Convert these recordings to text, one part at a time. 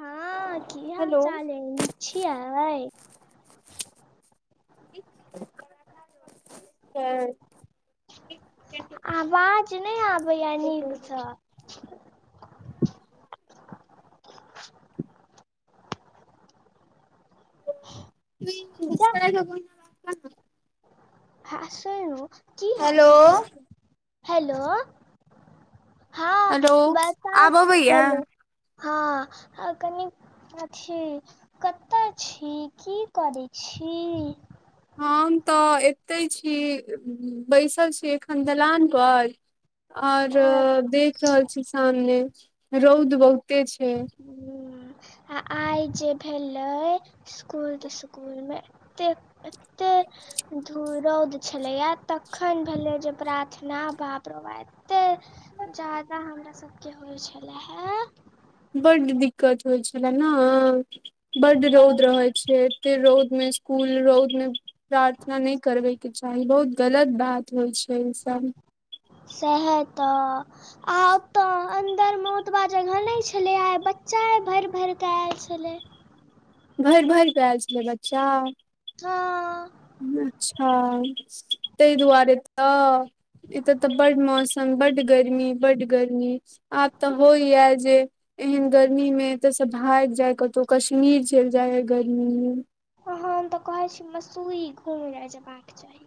हँ की हेलो हाल-चाल अए नीक छीयै [unintelligible] हँ आवाज नहि आबेया नीक सऽ जा [inaudible] हँ सुनू की हाल-चाल अय हेलो हँ हेलो बताउ आब अबैया हेलो हँ कनि अथी कतऽ छी, की करै छी। हम तऽ एतय छी, बैसल छी एखन दलान पर आ आऔर देख रहल छी, सामने रौंद बहुते छै। हम्म आ आइ जे भेलय स्कूल-तिस्कूलमे एतेक एत्ते धु रौंद छलैएयै, तखन भेलै जे प्रार्थना बाप रौ बा ए त्ते ज्यादा हमरा सबके होइ छले हैं बड्ड दिक्कत होइ छले नहि, बड्ड रौद बड रहैत छै ऐते रौंदमे स्कूल रौंदमे प्रार्थना नहि करबैके चाही, बहुत गलत बात होइ छै ईसब सैहैतऽ अहां ओतऽ अन्दर मे ओतबा जगह नहि छलै, आइ बच्चाए भरि- भरिके ऐल छलै। भरि--भरि क ऐल छलै बच्चा हँ अच्छा तय दुआरे तऽ एतऽ तऽ बड मौसम बड गर्मी- बड गर्मी आब तऽ होइयै जे एहन गर्मी में एतऽ स भाइग जाय कत‌ऊ, कश्मीर चलि जाय अय गर्मी मे अ हम तऽ कहै छी, मसूरी घूमले जेबाक चाही।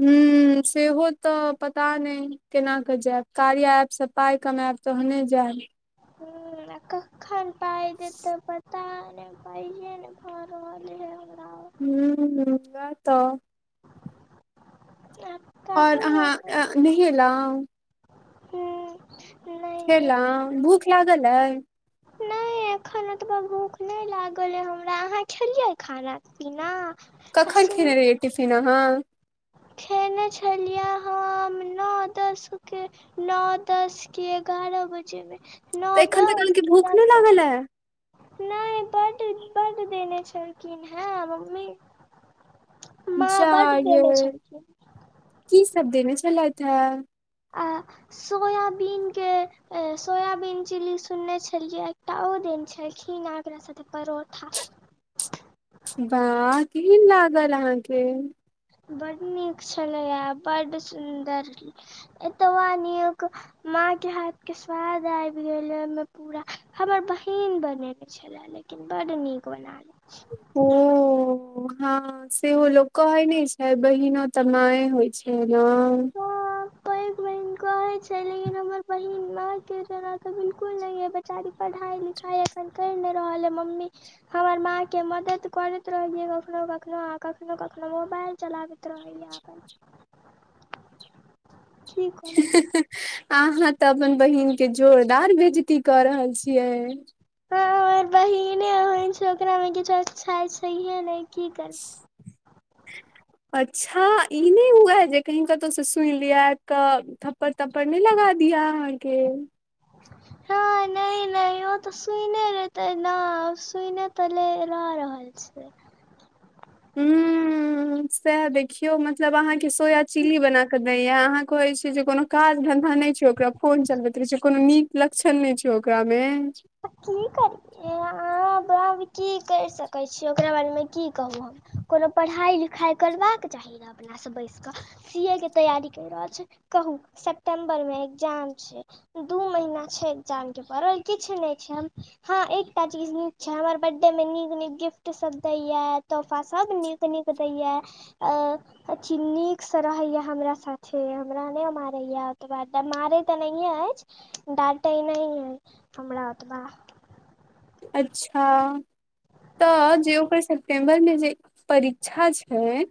हम्म सेहो तऽ पता नहि केना कऽ जैब, कार्या ऐप से पाइ कमायब तहने जैब। हम्म आ कखन पाय देतय पता नहि पैयेे नहि भऽ रहल है हमरा। हम्म वैह तऽ [unintelligible] आओर अहाँ नहेल‌ऊ। हूं नय खेलऊ भूख लागल अय। नहि नहि एखन एतबा भूख नहि लागल अय हमरा, अहाँ खेलियै खाना पीना। आ कखन सुन खेने रहियै टिफिन अहाँ खेने छलियै हम नौ दसके नौ दस कि एगारह बजेमे तऽ एखन तक अहाँके भूख नहि लागल ऐं नहि बड-बड देने छलखिन हैं मम्मी जा यैए छलखीन। की सब देने छलैथ हैं। आ सोयाबीन के सोयाबीन चिल्ली सुनने छलियै, एकटा ओ देन छलखिन आ ओकरा संगे परोठा। बाह केहिन लागल अहांके बड निक छलैया, बड सुन्दर एतबा निक माँ के हाथ के स्वाद आबि गेलै ओय मे पूरा, हमर बहिन बनेने छ ले लेकिन बड निक बना लै छै। हम्म हँ सेहो लोक कहै नै छै, बहिनो त मांए होइ छै ना। हं पैघ बहिन के लेकिन हमर बहिन नाम के जरा बिलकुल बेचारी पढ़ाइ लिखाइ कहि नै रहलै मम्मी हमर माँके मदद करैत रहै छै कखनो कखनो आ कखनो कखनो मोबाइल चलाबैत रहैये। हँ [unintelligible] की करब हेहे अहाँ तऽ अपन बहिन के जोरदार बेइजती कऽ रहल छियै। ह हमर बहिने ओहेन छै ओकरा में किछु अच्छा छैहे नै की करियै। [inaudible] अच्छा इ नै हुए है जे कही कतौ से सुन लिए त थपर थपड़ नै लगा दिया अहाँके। हं। नै नै ओ तऽ सुइने लेतै न सुने तऽले ल रहल छै। हुं। सेह देखियो मतलब अहाँ के सोया चिल्ली बना क दैये आ अहाँ कहे छी जे कोनो काज धंधा नहि छै ओकरा फोन चलबैत रहै छै कोनो निक लक्षण नै छै ओकरा मे। की कर अहाँ ब की करि सकै छी ओकरा बारेमे की कहु हम कोनो पढ़ाइ लिखाइ करबाक चाही न। अपना से बैस क सी ए के तैयारी कै रहल छै, अच्छा कहु सेप्टेम्बर में एग्जाम छै। दू महीना छै एजाम के परल किछु नै छै। हँ एकटा चीज निक छै हमर बड डे में निक निक गिफ्ट सब दैये तोहफा सब निक निक दैए अ अछि निक से रहैये, हमरा साथे हमरा नै मारैया ओकर बाद मारै तऽ नहिये ऐछ। डाँटै नै ऐ हमरा ओतबा। अच्छा। तऽ जे ओकर सेप्टेम्बर मे जे परिक्षा छै।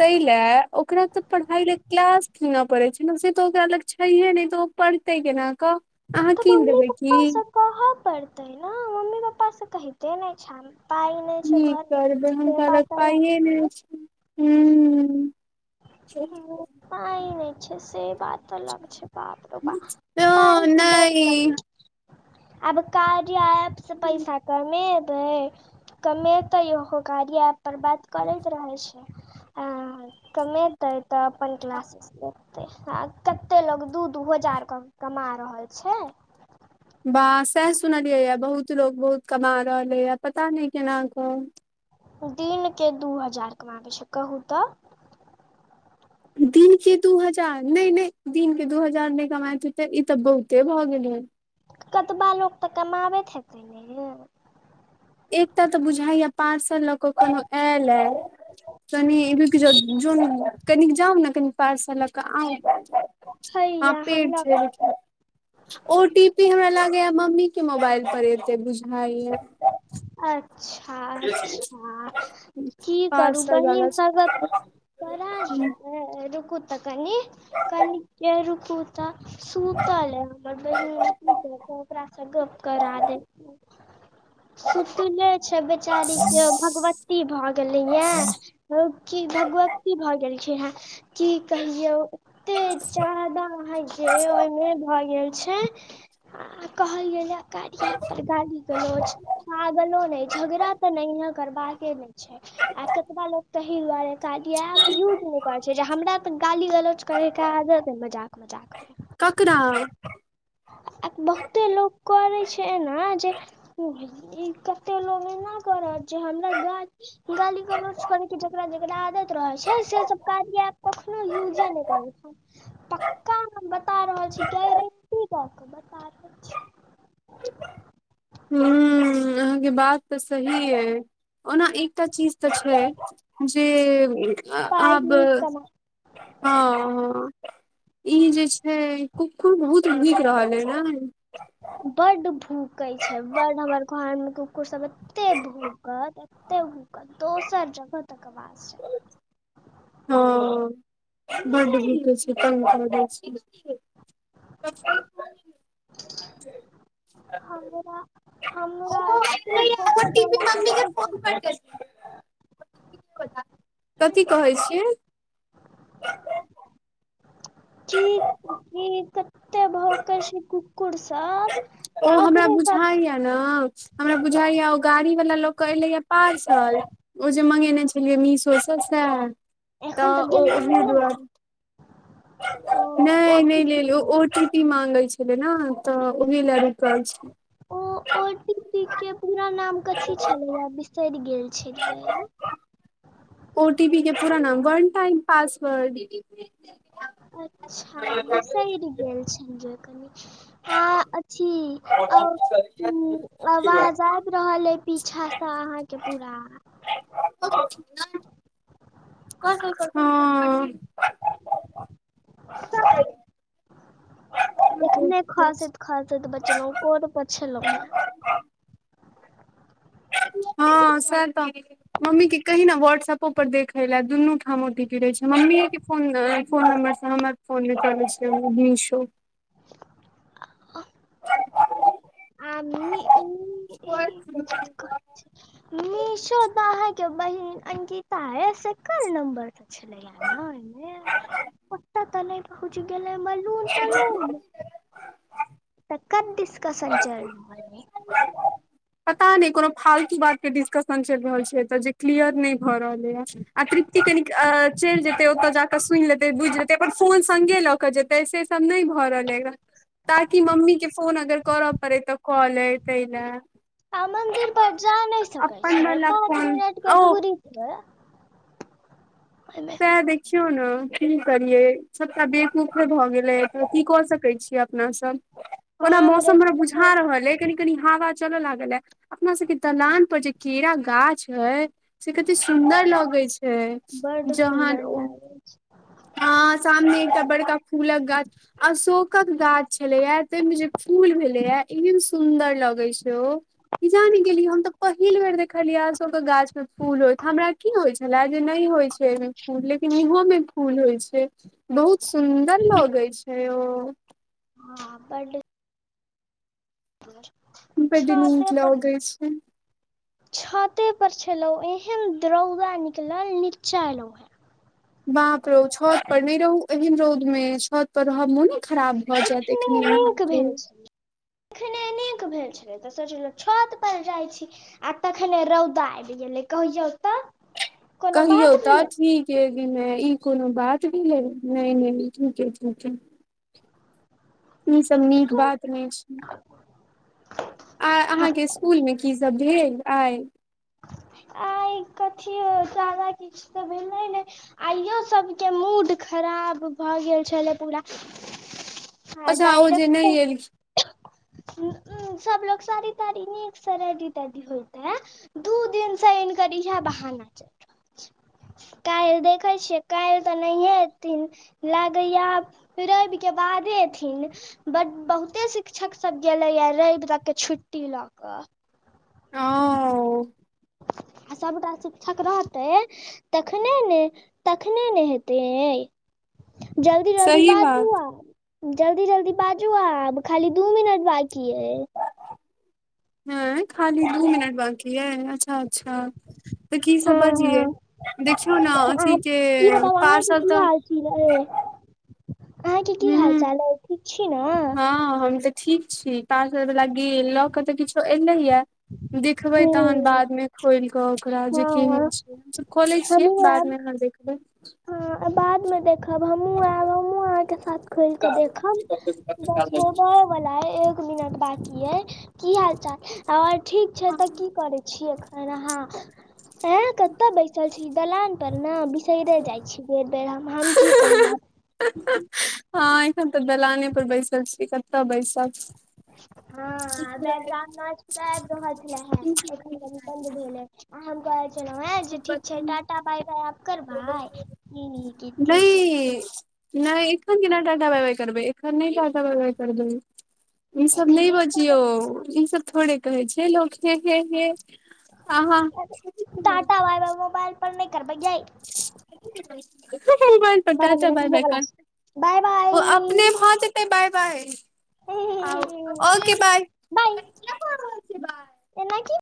तै ले ओकरा तऽ पढाई ले क्लास किनऽ पड़े छै ने से तऽ ओकरा अलग छैहे नै तऽ ओ पढ़तै केना कऽ। अहाँ तऽ कीन मम्मी देबै की पप्पासँ कहऽ पड़तै ने मम्मी पप्पासँ कहिते नै छै। पाइ नहि छै कि घरमे करबै से हुनका लग बात अलग पाइए नै छै हुं। च [unintelligible] पाइ नै छै से बात अलग छै, बाप र बााप। पाइ के बड़ नहि कमी। आब कार्या ऐप से पैसा कमेबै कमेतै ओहो कार्य ऐप पर बात करैत रहै छै। कमेतै तऽ अपन क्लास लगते त कते लोग दू दू हजार क कमा रहल छै। वाह, सैह सुनलियै ये बहुत लोग बहुत कमा रहलै ये, पता नै कोना कऽ। दिन के दू हजार कमा लै छै कहू तऽ। दिन के दू हजार नै नै दिन के दू हजार नहि कमाइत हेतै, इ तऽ बहुते भऽ गेलै। कतबा लोक तऽ कमाबैत हेतै ने यै। एकटा तऽ बुझाइये पार्सल लऽ कऽ कोनो आयलै। कनि रुकी जाऊ जो न जाउ ने कनि पार्सल लऽ कऽ। आंखि आ हैया पेट हमरा छै को- देखियौ। ओ टी पी हमरा लगैये मम्मी के मोबाइल पर एतै बुझैये। अच्छा अच्छा। की करू पार्सल वाला बहिन सब त बड़ा रुकु त कनी कनिके रुकु त। तऽ सूतल अइ हमर बहिन की कहै छी ओकरा स गप्प करा देब। सुतले छै बेचारीे के भगवती भए गेलैया। ओ की भगवती भऽ गेलखिनहा की कहियौ। एते चादा आहां के ओहिमे भऽ गेल छै। आ कही लैया काली हायत त गाड़ी स [unintelligible] झगड़ा ते नहिये करबाका के ने छै आ कतबा लोग तहि दुआरे कार्या ऐप यूज नहि करै छै जे हमरा तऽ गाली गलोच करैके आदत मजाक मजाक मे। ककरा? आ बहुते लोक करैत छै एना जे ई कते लोक एना क रहल छै हमरा गा गाली गलोच करे के जेकरा जेकरा आदत रहै छै से सब कार्यां एप कखनो यूजे नहि करै छै पक्का हम बता रहल छी ग [inaudible] त हु अहाँके बात तऽ सही यइ। ओना एकटा चीज तऽ छै जे पाइ आब नीक कमा हँ हँ। ई जे छै कुक्कुर बहुत भुइक रहल ये नय। बड भूकैत छै बड हमर घर मे कुकुर सब एते भूकत इते भूकत दोसर जगह तक अवाज जाय हँ बड भुकय छै तंग क दै छै। [inaudible] हमरा हमरा अतेक। [unintelligible] कथी कहै छियै? की कहु कतेक भौकै छै कुकुर सब। ओ आ हमरा ओकरे सब बुझाइया न। हमरा बुझाइया ओ गाड़ी वाला लक एलैया पार्सल ओ जे मंगेने छलियै मीशो स साह त एखन तऽ ओ गेलैया ओही ने दुआरे ओ नइ नइ टी पी लेलू ओ टी पी मांगै छलै न तऽ ओही ला रुकल छै। ओ ओ टी पी के पूरा नाम कथी छलेया बिसरि गेल छलियै। ओ टी पी के पुरा नाम वन टाइम पासवर्ड। अच्छा बिसैर गेल छलिया कनि। आ अथी आवाज आबि रहल अइ पीछा स अहाँके पूरा। हँ। एखने खसैत खसैत बचलहु कोर पर छलहु हैं। हँ सेह त। मम्मी के कही न व्हाट्सऐपो पर देखईला दुनू ठाम ओटीपी गिरई छै मम्मीये के फोन फोन नम्बर स हमर फोन मे चलैय छै मिशो। [inaudible] मिशो त अहाँके बहिन अंकिता ए सेकड़ नम्बर छले। ओहिमे ओतऽत नहि पहुंच गेलय मलून तऽलून। तकर डिस्कसन चलि रहल अइ। पता नहि कोनो फालतू बात के डिस्कशन चलि रहल छै एतऽ जे क्लियर नहि भऽ रहलैयऽ अछ। आ तृप्ति कनिक चलि जेते ओतय जाकऽ सुनि लेते बुझि लेतय अपन फोन संगेलऽकऽ जेतय सेसब नय भऽ रहलै हन। ताकि मम्मी कऽ फोन अगर करऽ पड़य तऽ कॉ लेते ने। आ मंदिर पर जा नहि सकै अपन छैन वाला पाँच फोन मिनट के ओ दूरी पर ओइमे। इहऽ देखियौ ने की करिये सबटा बेकुफे भए गेले की कऽ सकय छीयै अपना सब। [inaudible] ओना मौसम हमरा रहितै तऽ बुझा आम रहल ऐ। कनि-कनी हवा चलऽ लागल ऐ। अपना सबके दलान पर जे केरा गाछ है से कते सुन्दर लऽगे छै। बड सुन्दर लागै छै। हाॅं सामने एकटा बड़का फूलक गाछ अशोकक गाछ छले ये ताहि में जे फूल भेलय ये ऐहेन सुन्दर लगय छै ओ किजान गेलिये हम ते पहिल बेर देखलिये आशोकाक गाछ मे फूल होयत, हमरा की होय छल छला जे नहि होइ छै ऐहिमे फुल लेकिन इहो मे फूल होइ छै। बहुत सुन्दर लऽगय छै ओ। हाॅं बड [unintelligible] बडी छते नीक लऽगै छै। छऽते पर छलौं एहेन दरौवा निकलल नीचा एलो हऽ बाप रौ ओ छऽत पर नहि रहु एहन रौद में छऽत पर रहब मोने खराब भऽ जायत ऐखने एखने निक अहाँके भेल छी। ऐखने नीक भेल छलय तऽ सोचलहुॅं छऽत पर जाइ छी आ तखने रौदा आबि गेलय कहयौ तऽ। कोनो कहियौ बात तऽ भेलै ठीक। के ई नै ई कोनो बात भेलय। नै ई निक केलखिन। ई सब नीक बात नहि छै। आ अहाॅंके ईस्कूल मे की सब भेल आय? आइ कथिओ जादा किछ तऽ भेलै ने आइयो सबके मूड खराब भऽ गेल छलै पूरा। [inaudible] अच्छा ओ जे डायरेक्ट नहि ऐलखिन। सबलोग साड़ी-ताड़ी निक से रेडी-तेडी होइत हेत। दू दिनसँ इनकर इहऽ बहाना चल काल्हि देखै छियै काल्हि तऽ नहिए एथिन। लागैया आब रैब के बादे एथिन बड बहुते शिक्षक सब गेले या रैब तक के छुट्टी लऽकऽ। हं। आ सबटा शिक्षक रहतै तखने ने, तखने ने हेते यै। जल्दी-जल्दी सही बाजु बात आब जल्दी-जल्दी बाजू आब खाली दू मिनट बाकी ऐय। ऐ खाली दू मिनट बकी अए अच्छा-अच्छा तऽ की सब हँ बाजिये। हँ देखियौ ने अथी आब के की बताउ अहाँके पारसल तऽ की यैय अहाँके की हाल हूँ चाल अई ठीक छी न। हँ हम तऽ ठीक छी ताजर वला गेल लऽ के तऽ किछो एलेयै। दिखबे तहन हूँ बाद मे खोल के ओकरा जे हँ केहेन हँ छै। हमसब खोले छियै बादमे अहा देखबे। ह बाद में देख खब हमहु ऐब हमहु अहाँके साथ खोल के देखब बस मोबाईल होयबला एक मिनट बाकी अए की हाल चाल और। ठीक छै तऽ की करे छी एखन अहाँ एय कतऽ बैसल छी दलान पर ना बिसैरे जाइ छी बेर-बेर हम, हम की कहू आब। हँ एखन तऽ दलाने पर बैसल छी कतऽ बैसब। हँ बैग्राउंड नाच त आयब रहल छलैहे एख अखैन धड़ी बन्द भेल अइछ, आम गाछ। कहलौ हैं जे ठीक छै टाटा बाय-बाय आब करबै नै नै कतै‌ सु किऽ। नै एखन केना टाटा बाय- बाय करबै एखन नै टाटा बाय-बाय करबै। ई सब नै एखने करब बजियौ ई सब थोड़े कहै छै लोक हे-हे-हे। अरे टाट-टाटा बाय-बाय मोबाइल पर न करबै यै। अखैन की करै छी एखनियै मोबाइल पर टाटा-टाटा बाय-बाय करते। बाय-बाय। ओ अपने भ जित ओके बाय-बाय आउ ओके बाय बाय अरै किया कऽ रहल छीयै बाय। एना कि